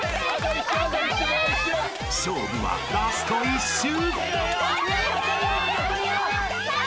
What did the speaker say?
［勝負はラスト１周！］